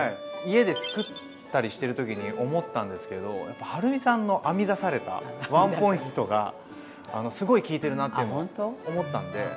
家で作ったりしてる時に思ったんですけどやっぱはるみさんの編み出されたワンポイントがすごい効いてるなっていうのを思ったんで。